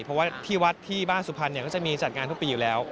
เพราะว่าที่วัดที่บ้านสุพรรณก็จะมีจัดงานทุกปีอยู่แล้ว